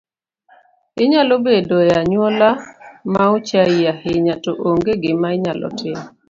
Inyalo bedo e anyuola maochaii ahinya to ong’e gima inyalo timo